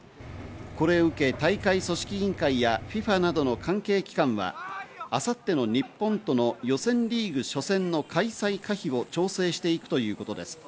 これを受け大会組織委員会やＦＩＦＡなどの関係機関は明後日の日本との予選リーグ初戦の開催可否を調整していくということです。